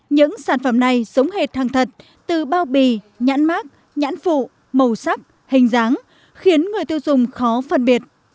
những sản phẩm này sống hệt hàng thật từ bao bì nhãn mát nhãn phụ màu sắc hình dáng khiến người tiêu dùng khó phân biệt